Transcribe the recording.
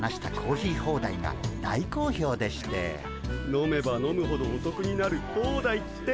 飲めば飲むほどおとくになるホーダイって。